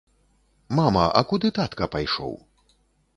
Мама, а куды татка пайшоў?